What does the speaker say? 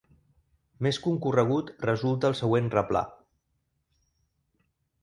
Més concorregut resulta el següent replà.